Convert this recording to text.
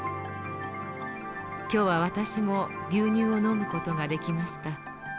今日は私も牛乳を飲む事ができました。